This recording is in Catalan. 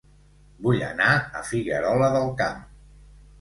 Vull anar a Figuerola del Camp